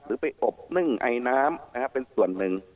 หรือไปอบนึ่งไอน้ำเป็นส่วนหนึ่ง